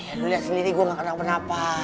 ya lo lihat sendiri gue gak kenapa kenapa